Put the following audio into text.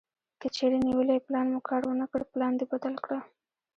کچېرې نیولی پلان مو کار ونه کړ پلان دې بدل کړه.